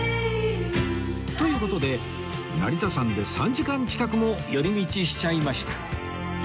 という事で成田山で３時間近くも寄り道しちゃいました